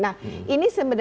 nah ini sebenarnya